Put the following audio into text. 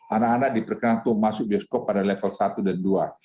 anak anak diperkenankan untuk masuk bioskop pada level satu dan dua